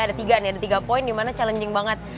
ada tiga nih ada tiga poin dimana challenging banget